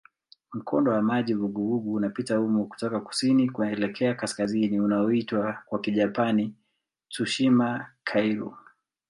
Mkondo wa maji vuguvugu unapita humo kutoka kusini kuelekea kaskazini unaoitwa kwa Kijapani "Tsushima-kairyū".